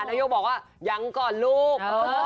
นายกบอกว่ายังก่อนลูก